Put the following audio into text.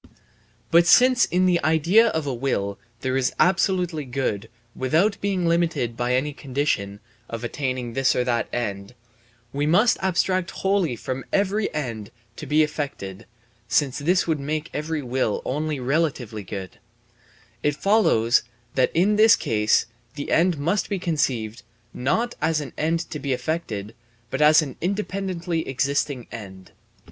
But since in the idea of a will that is absolutely good without being limited by any condition (of attaining this or that end) we must abstract wholly from every end to be effected (since this would make every will only relatively good), it follows that in this case the end must be conceived, not as an end to be effected, but as an independently existing end.